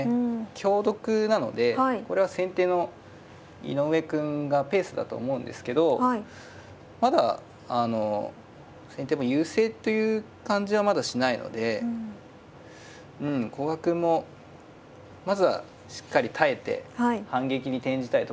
香得なのでこれは先手の井上くんがペースだと思うんですけどまだ先手も優勢という感じはまだしないので古賀くんもまずはしっかり耐えて反撃に転じたいとこですかね。